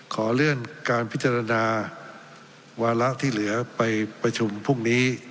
ขอเลื่อนการพิจารณาวาระที่เหลือไปประชุมพรุ่งนี้